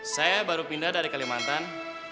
saya baru pindah dari kalimantan